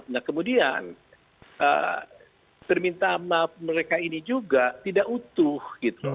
nah kemudian permintaan maaf mereka ini juga tidak utuh gitu